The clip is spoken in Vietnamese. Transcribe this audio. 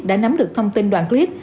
đã nắm được thông tin đoạn clip